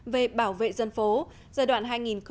về bảo vệ dân phố giai đoạn hai nghìn sáu hai nghìn một mươi sáu